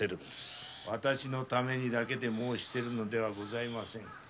私のためにだけ申しているのではございません。